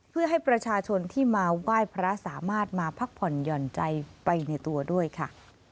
เพื่อให้ประชาชนที่มาไหว้พระสามารถมาพักผ่อนหย่อนใจไปในตัวด้วยค่ะ